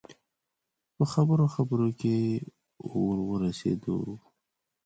په خبرو خبرو کې ور ورسېدو.